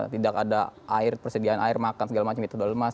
tidak ada persediaan air makan segala macam itu